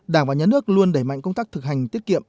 đảng và nhà nước luôn đẩy mạnh công tác thực hành tiết kiệm